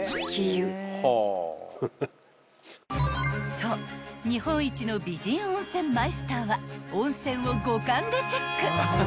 ［そう日本一の美人温泉マイスターは温泉を五感でチェック］